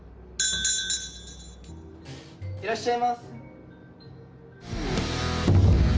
いらっしゃいま。